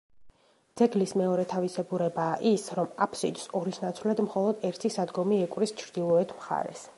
ძეგლის მეორე თავისებურებაა ის, რომ აფსიდს ორის ნაცვლად მხოლოდ ერთი სადგომი ეკვრის ჩრდილოეთ მხარეს.